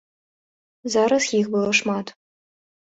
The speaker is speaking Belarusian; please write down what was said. Зараз іх было шмат.